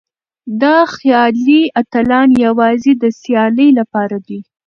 دا خيالي اتلان يوازې د سيالۍ لپاره دي.